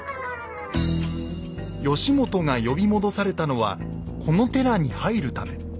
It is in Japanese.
義元が呼び戻されたのはこの寺に入るため。